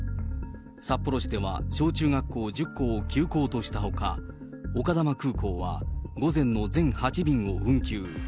札幌市では、小中学校１０校を休校としたほか、丘珠空港は午前の全８便を運休。